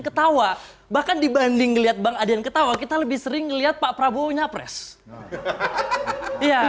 ketawa bahkan dibanding lihat bang adian ketawa kita lebih sering lihat pak prabowo nyapres ya